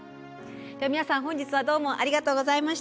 では皆さん本日はどうもありがとうございました。